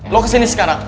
lo kesini sekarang